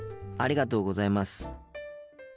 ありがとうございます。